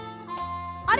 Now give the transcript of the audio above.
あれ？